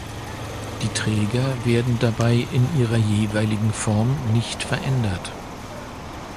Die Träger werden dabei in ihrer jeweiligen Form nicht verändert.